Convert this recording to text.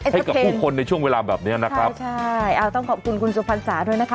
ให้กับผู้คนในช่วงเวลาแบบเนี้ยนะครับใช่เอาต้องขอบคุณคุณสุพรรษาด้วยนะคะ